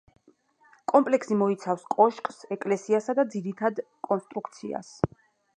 კომპლექსი მოიცავს კოშკს, ეკლესიასა და ძირითად კონსტრუქციას.